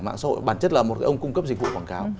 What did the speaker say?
mạng xã hội bản chất là một cái ông cung cấp dịch vụ quảng cáo